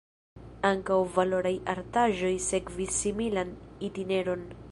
Ankaŭ valoraj artaĵoj sekvis similan itineron.